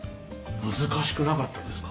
難しくなかったですか？